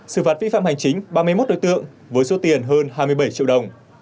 xử phạt vi phạm hành chính ba mươi một đối tượng với số tiền hơn hai mươi bảy triệu đồng